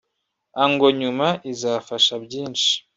ango nyuma izafasha byinshi